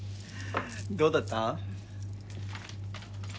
どうだった？